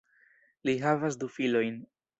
Li havas du filojn.